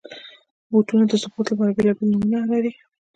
بوټونه د سپورټ لپاره بېلابېل نومونه لري.